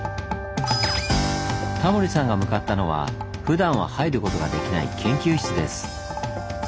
タモリさんが向かったのはふだんは入ることができない研究室です。